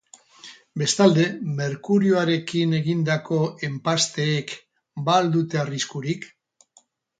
Bestalde, merkurioarekin egindako enpasteek, ba al dute arriskurik?